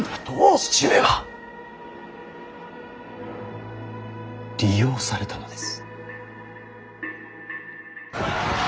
父上は利用されたのです。